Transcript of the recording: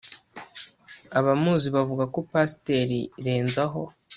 abamuzi bavuga ko pasiteri renzaho